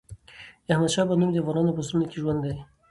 د احمد شاه بابا نوم د افغانانو په زړونو کې ژوندی دی.